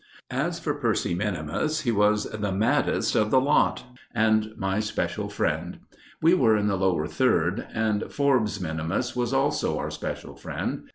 As for Percy minimus, he was the maddest of the lot, and my special friend. We were in the Lower Third; and Forbes minimus was also our special friend.